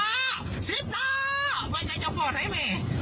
๑๐ล้อว่าไงจะพอไหนไหม